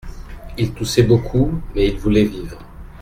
Il toussait beaucoup, mais il voulait vivre.